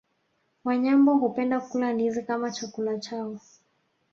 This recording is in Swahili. Wanyambo hupenda kula ndizi kama chakula chao